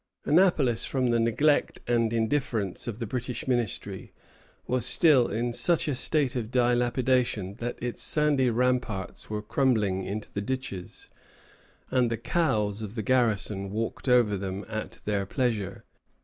] Annapolis, from the neglect and indifference of the British ministry, was still in such a state of dilapidation that its sandy ramparts were crumbling into the ditches, and the cows of the garrison walked over them at their pleasure.